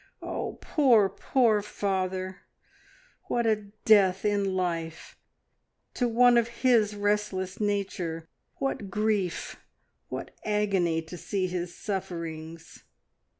oh, poor, poor father! what a death in life, to one of his restless nature! what grief, what agony to see his sufferings!